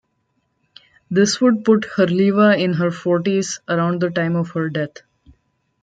This would put Herleva in her forties around the time of her death.